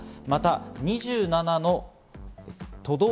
また２７の都